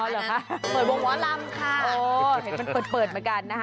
อ๋อเหรอคะเปิดวงหมอรำค่ะโอ้เห็นเปิดมากันนะคะ